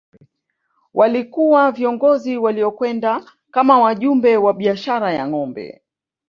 Walikuwa viongozi waliokwenda kama wajumbe wa biashara ya ngombe